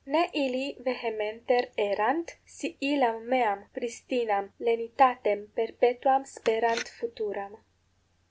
Ne illi vehementer errant, si illam meam pristinam lenitatem perpetuam sperant futuram.